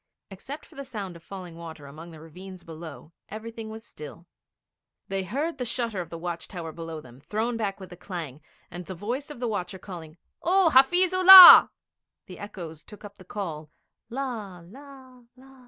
Except for the sound of falling water among the ravines below, everything was still. They heard the shutter of the watch tower below them thrown back with a clang, and the voice of the watcher calling: 'Oh, Hafiz Ullah!' The echoes took up the call, 'La la la!'